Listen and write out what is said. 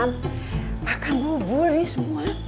makan bubur nih semua